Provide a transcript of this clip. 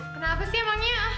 kenapa sih emangnya